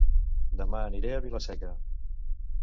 Dema aniré a Vila-seca